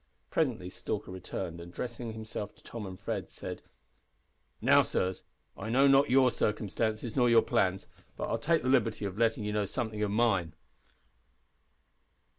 Presently Stalker returned, and addressing himself to Tom and Fred, said "Now, sirs, I know not your circumstances nor your plans, but I'll take the liberty of letting you know something of mine.